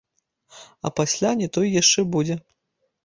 А пасля не тое яшчэ будзе.